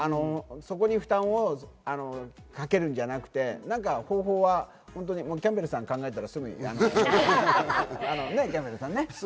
そこに負担をかけるんじゃなくて方法はキャンベルさん、考えたらすぐにね。ね？